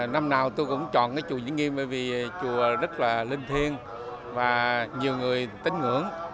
năm nào tôi cũng chọn cái chùa vĩnh nghiêm bởi vì chùa rất là linh thiên và nhiều người tính ngưỡng